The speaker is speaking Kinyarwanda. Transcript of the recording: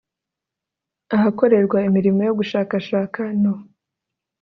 ahakorerwa imirimo yo gushakashaka no